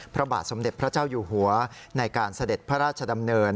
พระบาทสมเด็จพระเจ้าอยู่หัวในการเสด็จพระราชดำเนิน